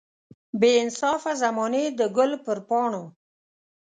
بې انصافه زمانې د ګل پر پاڼو.